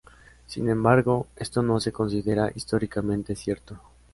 Sin embargo, esto no se considera históricamente cierto.